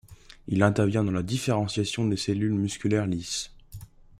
Il intervient dans la différenciation des cellules musculaires lisses.